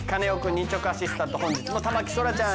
日直アシスタント本日も田牧そらちゃん。